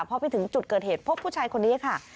พอไปถึงจุดเกิดเหตุพบผู้ชายคนนี้ค่ะ